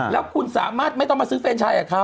แล้วคุณสามารถไม่ต้องมาซื้อเฟรนชายกับเขา